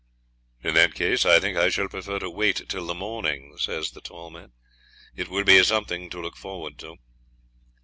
'In that case I think I shall prefer to wait till the morning,' says the tall man. 'It will be something to look forward to.'